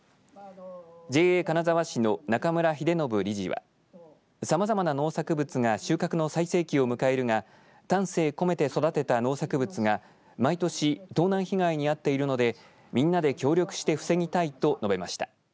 ＪＡ金沢市の中村栄伸理事はさまざまな農作物が収穫の最盛期迎えるが丹精込めて育てた農作物が毎年盗難被害に遭っているのでみんなで協力して防ぎたいと述べました。